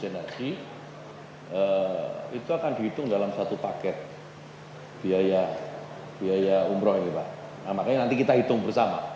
nah makanya nanti kita hitung bersama